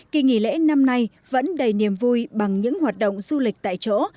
kỳ nghỉ lễ năm nay vẫn đầy niềm vui bằng những hoạt động du lịch tại chỗ